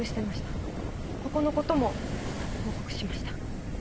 ここの事も報告しました。